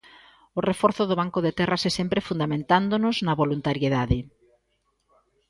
O reforzo do Banco de Terras é sempre fundamentándonos na voluntariedade.